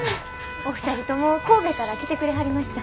お二人とも神戸から来てくれはりました。